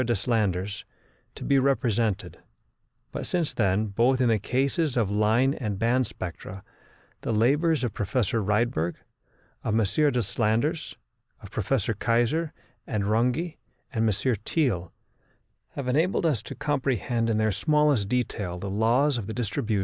Deslandres, to be represented; but since then, both in the cases of line and band spectra, the labours of Professor Rydberg, of M. Deslandres, of Professors Kayzer and Runge, and of M. Thiele, have enabled us to comprehend, in their smallest details, the laws of the distribution of lines and bands.